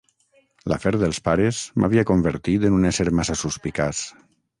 L'afer dels pares m'havia convertit en un ésser massa suspicaç.